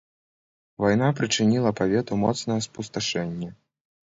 Вайна прычыніла павету моцнае спусташэнне.